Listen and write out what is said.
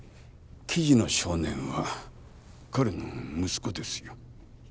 記事の少年は彼の息子ですよ。